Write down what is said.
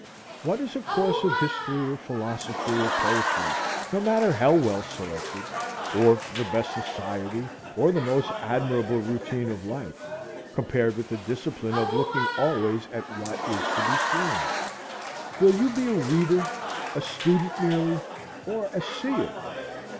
What is a course of history, or philosophy, or poetry, no matter how well selected, or the best society, or the most admirable routine of life, compared with the discipline of looking always at what is to be seen? Will you be a reader, a student merely, or a seer?